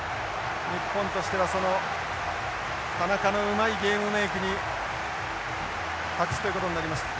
日本としてはその田中のうまいゲームメークに託すということになりました。